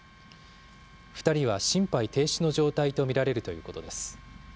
２人は心肺停止の状態と見られるということです。